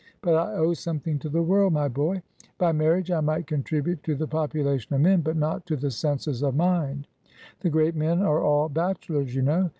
But I owe something to the world, my boy! By marriage, I might contribute to the population of men, but not to the census of mind. The great men are all bachelors, you know.